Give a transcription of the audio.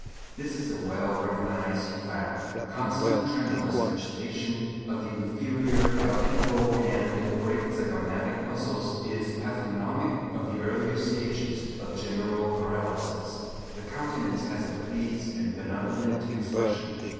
This is a well recognized fact. Constant tremulous agitation of the inferior palpebral and great zygomatic muscles is pathognomic of the earlier stages of general paralysis. The countenance has a pleased and benevolent expression.